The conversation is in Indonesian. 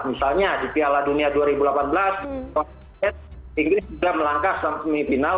misalnya di piala dunia dua ribu delapan belas inggris sudah melangkah semifinal